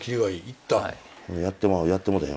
やってまおやってもうたらええんや。